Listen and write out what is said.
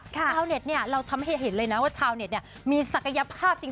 ชาวเน็ตเนี่ยเราทำให้เห็นเลยนะว่าชาวเน็ตเนี่ยมีศักยภาพจริง